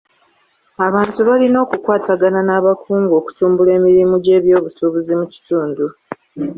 Abantu balina okukwatagana n'abakungu okutumbula emirimu gy'ebyobusuubuzi mu kitundu.